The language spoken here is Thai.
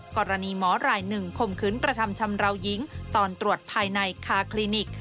กรณีหมอรายหนึ่งข่มขืนกระทำชำราวหญิงตอนตรวจภายในคาคลินิก